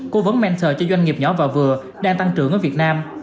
cố vấn mentor cho doanh nghiệp nhỏ và vừa đang tăng trưởng ở việt nam